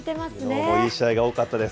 きのうもいい試合が多かったです。